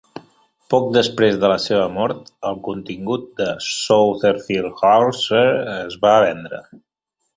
Poc després de la seva mort, el contingut de Stourfield House es va vendre.